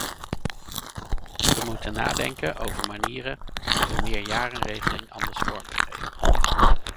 We moeten nadenken over manieren om de meerjarenregeling anders vorm te geven.